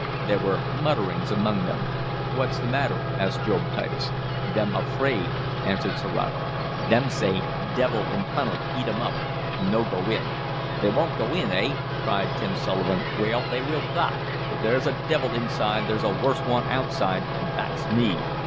There were mutterings among them. "What's the matter?" asked Job Titus. "Them afraid," answered Serato. "Them say devil in tunnel eat um up! No go in." "They won't go in, eh?" cried Tim Sullivan. "Well, they will thot! If there's a divil inside there's a worse one outside, an' thot's me!